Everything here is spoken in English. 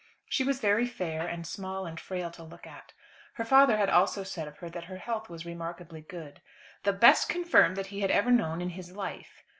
She was very fair, and small and frail to look at. Her father had also said of her that her health was remarkably good, "the best confirmed that he had ever known in his life."